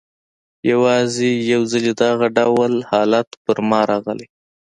یوازي یو ځلې دغه ډول حالت پر ما راغلی.